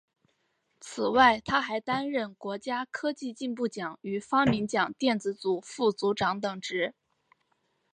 此外他还担任国家科技进步奖与发明奖电子组副组长等职。